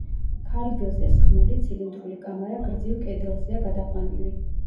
ქარგილზე სხმული, ცილინდრული კამარა გრძივ კედელზეა გადაყვანილი.